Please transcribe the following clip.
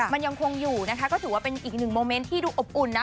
มันยังคงอยู่นะคะก็ถือว่าเป็นอีกหนึ่งโมเมนต์ที่ดูอบอุ่นนะ